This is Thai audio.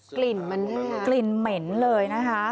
กลิ่นเหมือนเหมือนกันค่ะกลิ่นเหม็นเลยนะคะ